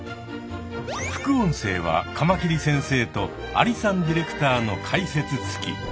副音声はカマキリ先生とアリさんディレクターの解説つき。